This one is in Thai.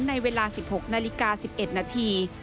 ในเวลา๑๖นาฬิกา๑๑นาที